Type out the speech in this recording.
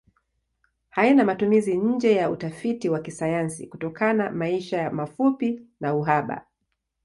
Haina matumizi nje ya utafiti wa kisayansi kutokana maisha mafupi na uhaba.